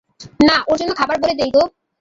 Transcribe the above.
না, ওর জন্যে খাবার বলে দিই গে।